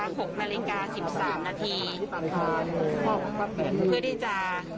นะคะหกนาฬิกาสิบสามนาทีค่ะเพื่อที่จะ